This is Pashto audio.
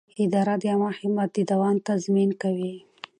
اداره د عامه خدمت د دوام تضمین کوي.